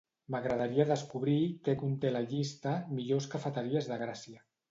M'agradaria descobrir què conté la llista "millors cafeteries de Gràcia".